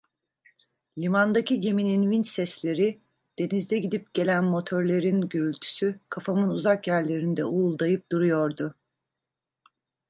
Limandaki geminin vinç sesleri, denizde gidip gelen motörlerin gürültüsü kafamın uzak yerlerinde uğuldayıp duruyordu.